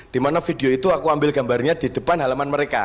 dimana video itu aku ambil gambarnya di depan halaman mereka